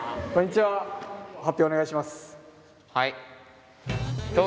はい。